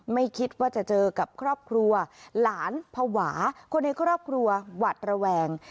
ไม่คิดว่าจะเจอกับครอบครัวหลานภาวะคนในครอบครัวหวัดระแวง